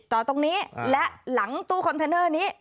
ต่อตรงนี้และหลังตู้คอนเทนเนอร์นี้